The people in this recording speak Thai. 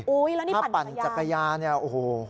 อุ๊ยแล้วนี่ปั่นจักรยานถ้าปั่นจักรยานเนี่ยโอ้โห